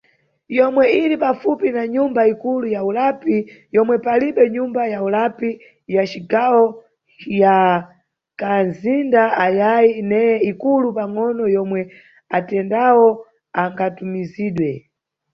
Yomwe iri pafupi na Nyumba Ikulu ya ulapi yomwe palibe nyumba ya ulapi ya cigawo ya kanʼzinda ayayi neye ikulu pangʼono yomwe atendawo angatumizidwe.